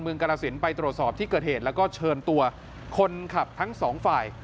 กรสินไปตรวจสอบที่เกิดเหตุแล้วก็เชิญตัวคนขับทั้งสองฝ่าย